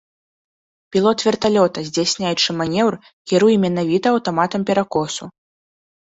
Пілот верталёта, здзяйсняючы манеўр, кіруе менавіта аўтаматам перакосу.